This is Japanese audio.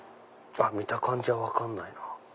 見た感じは分かんないな。